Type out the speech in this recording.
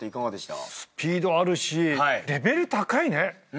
スピードあるしレベル高いね。